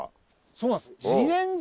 そうなんです。